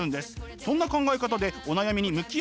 そんな考え方でお悩みに向き合うと。